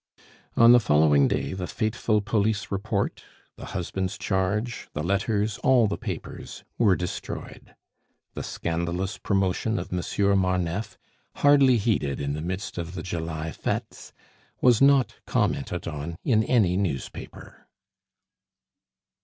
On the following day, the fateful police report, the husband's charge, the letters all the papers were destroyed. The scandalous promotion of Monsieur Marneffe, hardly heeded in the midst of the July fetes, was not commented on in any newspaper.